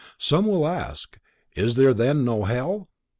Some will ask: is there then no hell?